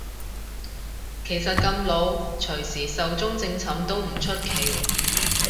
其實咁老隨時壽終正寢都唔出奇